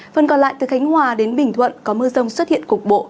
phần còn lại từ khánh hòa đến bình thuận có mưa rông xuất hiện cục bộ